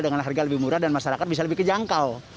dengan harga lebih murah dan masyarakat bisa lebih kejangkau